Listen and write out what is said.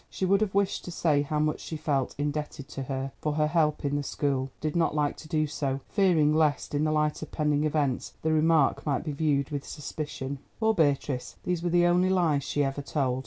She would have wished to say how much she felt indebted to her for her help in the school, but did not like to do so, fearing lest, in the light of pending events, the remark might be viewed with suspicion. Poor Beatrice, these were the only lies she ever told!